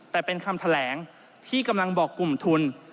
แต่เป็นคำแถลงที่กำลังบอกกลุ่มทุน